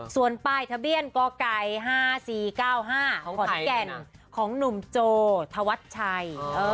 ส่วนป้ายทะเบียนกไก่๕๔๙๕ขอนแก่นของหนุ่มโจธวัชชัย